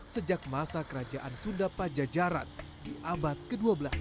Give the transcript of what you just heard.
sejak masa kerajaan sunda pajajaran di abad ke dua belas